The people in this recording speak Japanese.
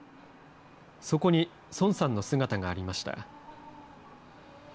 そこにソンさんの姿がありました。